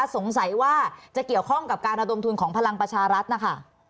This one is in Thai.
สงสัยว่าจะเกี่ยวข้องกับการระดมทุนของพลังประชารัฐนะคะ